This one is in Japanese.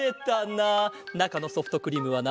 なかのソフトクリームはな